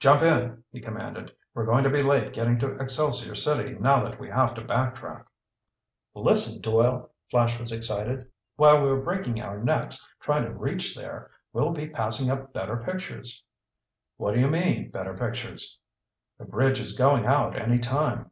"Jump in!" he commanded. "We're going to be late getting to Excelsior City now that we have to back track." "Listen, Doyle!" Flash was excited. "While we're breaking our necks trying to reach there, we'll be passing up better pictures." "What do you mean, better pictures?" "The bridge is going out any time."